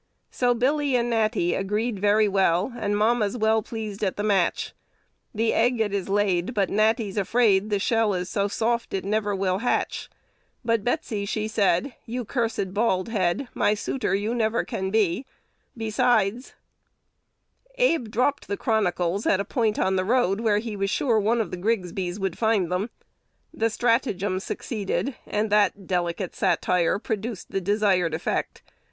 "So Billy and Natty agreed very well, And mamma's well pleased at the match: The egg it is laid, but Natty's afraid The shell is so soft it never will hatch; But Betsey she said, 'You cursed bald head, My suitor you never can be; Besides'" Abe dropped "The Chronicles" at a point on the road where he was sure one of the Grigsbys would find them. The stratagem succeeded, and that delicate "satire" produced the desired effect.